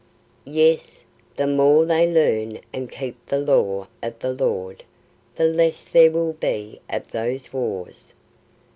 Yes; the more they learn and keep the law of the Lord, the less there will be of those wars.